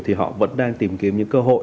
thì họ vẫn đang tìm kiếm những cơ hội